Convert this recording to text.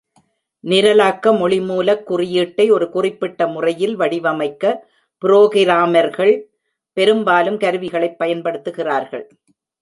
நிரலாக்க மொழி மூலக் குறியீட்டை ஒரு குறிப்பிட்ட முறையில் வடிவமைக்க புரோகிராமர்கள் பெரும்பாலும் கருவிகளைப் பயன்படுத்துகிறார்கள்.